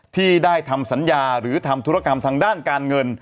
ที่ได้ทำสัญญาหรือทำธุรกรรมทางด้านการเงิน